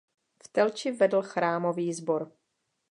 V Telči vedl chrámový sbor.